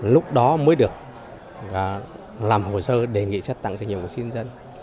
lúc đó mới được làm hồ sơ đề nghị xét tặng danh hiệu nghệ sĩ nhân dân